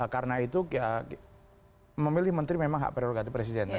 karena itu memilih menteri memang hak prioritas presiden